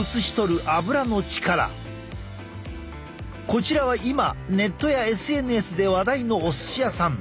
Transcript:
こちらは今ネットやＳＮＳで話題のお寿司屋さん。